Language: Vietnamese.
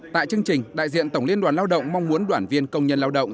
tại chương trình đại diện tổng liên đoàn lao động mong muốn đoàn viên công nhân lao động